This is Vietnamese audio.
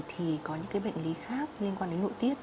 thì có những bệnh lý khác liên quan đến nội tiết